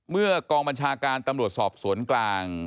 กองบัญชาการตำรวจสอบสวนกลาง